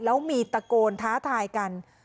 แล้วมีตะโกนท้าทายกัน